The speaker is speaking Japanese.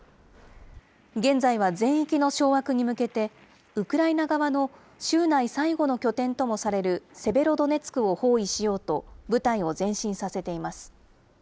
現在は全域の掌握に向けて、ウクライナ側の州内最後の拠点ともされるセベロドネツクを包囲しようと、部隊を前進させています。